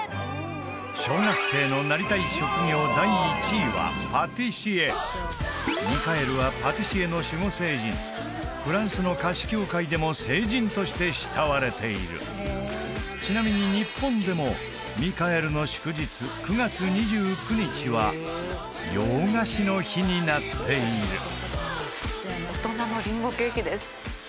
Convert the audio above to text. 小学生のなりたい職業ミカエルはパティシエの守護聖人フランスの菓子協会でも聖人として慕われているちなみに日本でもミカエルの祝日９月２９日は洋菓子の日になっている大人のりんごケーキです